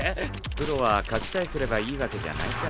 プロは勝ちさえすればいいわけじゃないからね。